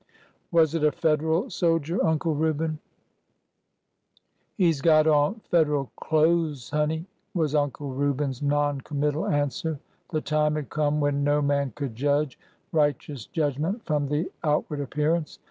Was it a Federal soldier, Uncle Reuben ?'' He 's got on Federal clones, honey,'' was Uncle Reu ben's non committal answer. The time had come when no man could judge righteous judgment from the out ward appearance.